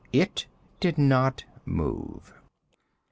It did not move.